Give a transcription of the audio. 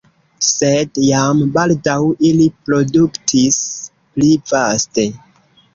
Sed jam baldaŭ ili produktis pli vaste.